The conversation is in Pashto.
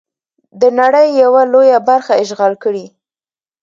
د نړۍ یوه لویه برخه اشغال کړي.